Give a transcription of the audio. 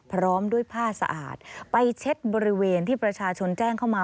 พร้อมด้วยผ้าสะอาดไปเช็ดบริเวณที่ประชาชนแจ้งเข้ามา